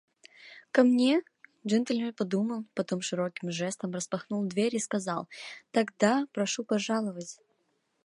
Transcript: – Ко мне? – Джентльмен подумал, потом широким жестом распахнул дверь и сказал: – Тогда… прошу пожаловать!..